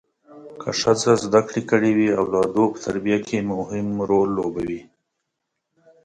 که ښځه زده کړې کړي وي اولادو په تربیه کې مهم رول لوبوي